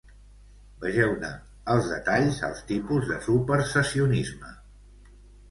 Vegeu-ne els detalls als tipus de supersessionisme.